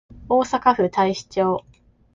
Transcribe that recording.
大阪府太子町